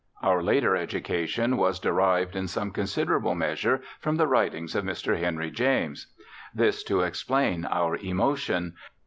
Our later education was derived in some considerable measure from the writings of Mr. Henry James. This to explain our emotion.